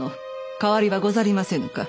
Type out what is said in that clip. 変わりはござりませぬか？